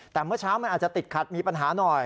แต่เมื่อเช้ามันอาจจะติดขัดมีปัญหาหน่อย